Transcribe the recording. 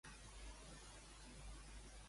Va caure Sèmele en la trampa?